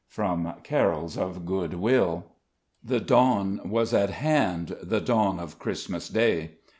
(From "Carols of Good Will.") The dawn was at hand, the dawn of Christmas Day.